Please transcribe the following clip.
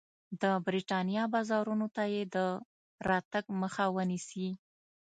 د برېټانیا بازارونو ته یې د راتګ مخه ونیسي.